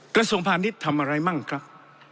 กระทรวงพาณิชย์ทำอะไรมั่งครับ